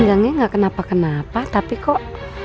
mbak gue gak kenapa kenapa tapi kok